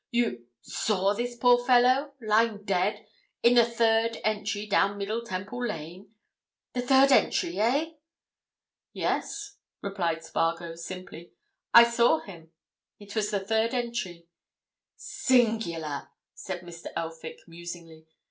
"You—saw this poor fellow? Lying dead—in the third entry down Middle Temple Lane? The third entry, eh?" "Yes," replied Spargo, simply. "I saw him. It was the third entry." "Singular!" said Mr. Elphick, musingly.